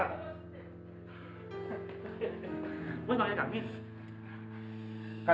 bapak mau tanya tanggung jawab